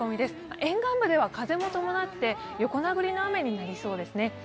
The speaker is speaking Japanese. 沿岸部では風も伴って横殴りの雨になりそうですね。